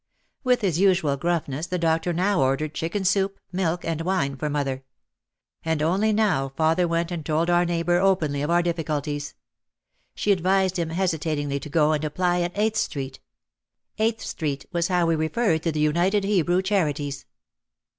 With his usual gruffness the doctor now ordered chicken soup, milk and wine for mother. And only now father went and told our neighbour openly of our diffi culties. She advised him hesitatingly to go and apply at "Eighth Street." Eighth Street was how we referred to the United Hebrew Charities.